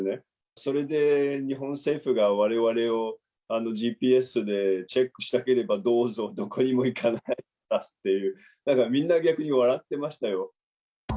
それで日本政府がわれわれをＧＰＳでチェックしたければどうぞ、どこにも行かないからという、なんかみんな逆に笑ってましたよ。